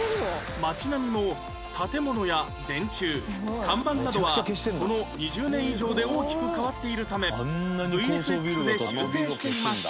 街並みも建物や電柱看板などはこの２０年以上で大きく変わっているため ＶＦＸ で修正していました